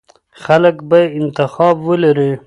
خلک به انتخاب ولري.